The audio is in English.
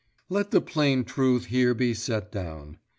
Let the plain truth here be set down.